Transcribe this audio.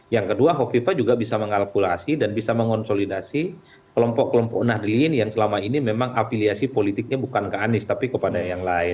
yang kedua hovifah juga bisa mengalkulasi dan bisa mengonsolidasi kelompok kelompok nahdlin yang selama ini memang afiliasi politiknya bukan ke anies tapi kepada yang lain